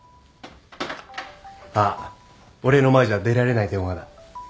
あっ俺の前じゃ出られない電話だ。